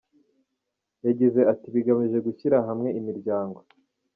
Yagize ati “Bigamije gushyira hamwe imiryango.